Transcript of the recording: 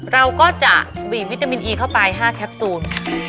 เราก็จะบีมวิตามินอีเข้าไปห้าแก็บซูน